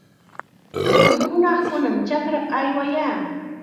Tukuy hunaqkunam chakrapa aywayaa.